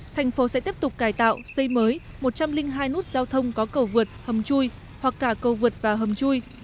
thành phố sẽ tiếp tục cải tạo xây mới một trăm linh hai nút giao thông có cầu vượt hầm chui hoặc cả cầu vượt và hầm chui